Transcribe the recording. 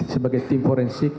sebagai tim forensik